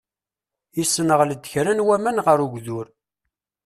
Yessenɣel-d kra n waman ɣer ugdur.